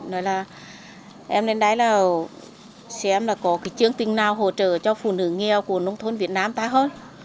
nói là em lên đấy là xem là có cái chương trình nào hỗ trợ cho phụ nữ nghèo của nông thôn việt nam ta hết